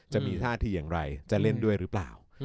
จะมีท่าทีอย่างไรจะเล่นด้วยหรือเปล่า